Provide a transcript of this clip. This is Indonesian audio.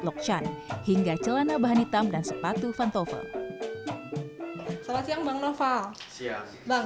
loksan hingga celana bahan hitam dan sepatu fantovel selamat siang bang noval siap bang